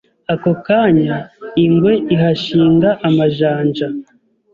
Ako kanya ingwe ihashinga amajanja